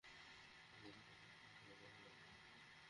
কিন্তু আউস গোত্র তীর দ্বারা তাকে জবাব দিলে সে চরম ব্যর্থ হয়ে ফিরে আসে।